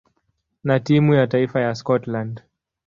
na timu ya taifa ya Scotland.